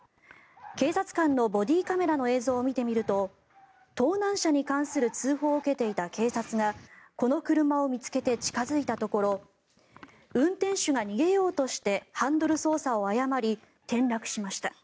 警察官のボディーカメラの映像を見てみると盗難車に関する通報を受けていた警察がこの車を見つけて近付いたところ運転手が逃げようとしてハンドル操作を誤り転落しました。